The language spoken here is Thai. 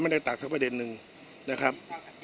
ได้ตักสักประเด็นนึงนะครับ